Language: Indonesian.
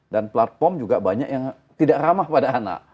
dan platform juga banyak yang tidak ramah pada anak